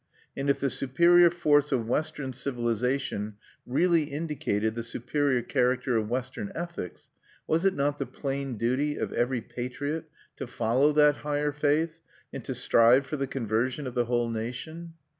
And if the superior force of Western civilization really indicated the superior character of Western ethics, was it not the plain duty of every patriot to follow that higher faith, and to strive for the conversion of the whole nation?